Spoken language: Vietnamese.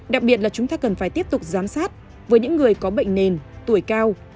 đặc biệt là chúng ta cần phải tiếp tục giám sát với những người có bệnh nền tuổi cao